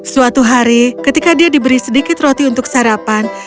suatu hari ketika dia diberi sedikit roti untuk sarapan